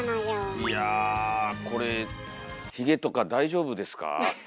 いやこれヒゲとか大丈夫ですか？